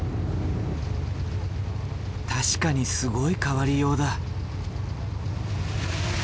確かにすごい変わりようだ。